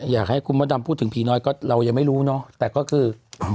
อยากให้คุณมดดำพูดถึงผีน้อยก็เรายังไม่รู้เนอะแต่ก็คือ